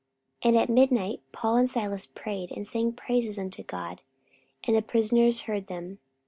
44:016:025 And at midnight Paul and Silas prayed, and sang praises unto God: and the prisoners heard them.